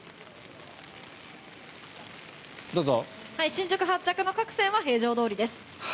新宿発着の各線は平常どおりです。